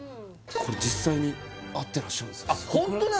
これ実際に会ってらっしゃるんですうん